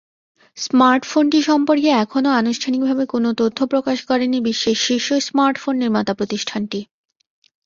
স্মার্টফোনটি সম্পর্কে এখনও আনুষ্ঠানিকভাবে কোনো তথ্য প্রকাশ করেনি বিশ্বের শীর্ষ স্মার্টফোন নির্মাতা প্রতিষ্ঠানটি।